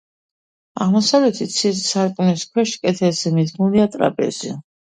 აღმოსავლეთით სარკმლის ქვეშ, კედელზე, მიდგმულია ტრაპეზი.